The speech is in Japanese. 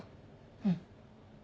うん。